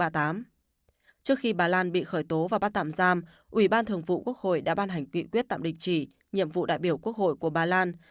trước khi bà lan bị khởi tố và bắt tạm giam ủy ban thường vụ quốc hội đã ban hành nghị quyết tạm đình chỉ nhiệm vụ đại biểu quốc hội của bà lan